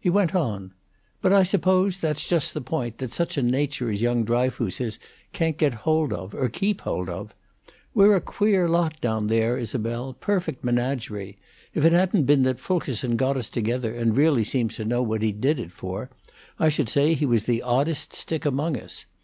He went on: "But I suppose that's just the point that such a nature as young Dryfoos's can't get hold of, or keep hold of. We're a queer lot, down there, Isabel perfect menagerie. If it hadn't been that Fulkerson got us together, and really seems to know what he did it for, I should say he was the oddest stick among us.